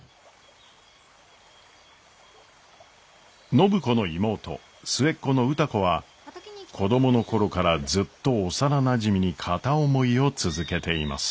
暢子の妹末っ子の歌子は子供の頃からずっと幼なじみに片思いを続けています。